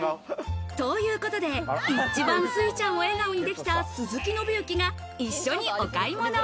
ということで、一番すいちゃんを笑顔にできた鈴木伸之が一緒にお買い物。